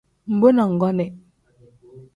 Mbo na nggonii.